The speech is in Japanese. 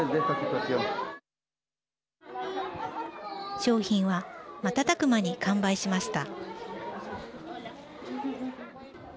商品は瞬く間に完売しました。